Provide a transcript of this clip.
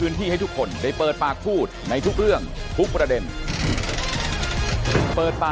ผมถามว่าฝั่ง๓๑๒เนี่ย